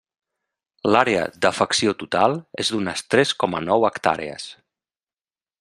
L'àrea d'afecció total és d'unes tres coma nou hectàrees.